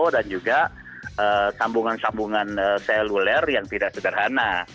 dan juga sambungan sambungan seluler yang tidak sederhana